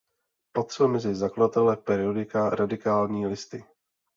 Patřil mezi zakladatele periodika "Radikální listy".